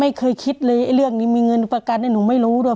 ไม่เคยคิดเลยไอ้เรื่องนี้มีเงินประกันหนูไม่รู้ด้วย